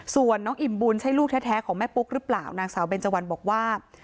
ส่วนน้องอิ่มบุญใช่ลูกแท้ของแม่ปุ๊กหรือเปล่านางสาวเบนเจวันบอกว่า